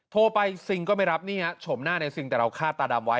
โทรไปซิงธรรมนาจารย์ก็ไม่รับเนี่ยชมหน้าในซิงธรรมนาจารย์แต่เราคาดตาดำไว้